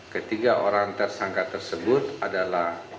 ketiga orang tersangka tersebut adalah